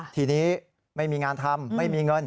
ทีนี้ไม่มีงานทำไม่มีเงิน